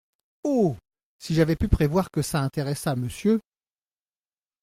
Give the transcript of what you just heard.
Oh ! si j’avais pu prévoir que ça intéressât Monsieur.